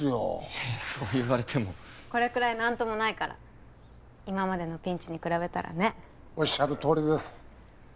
いやいやそう言われてもこれくらい何ともないから今までのピンチに比べたらねおっしゃるとおりです